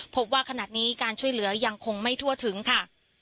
พบว่าขณะนี้การช่วยเหลือยังคงไม่ทั่วถึงค่ะ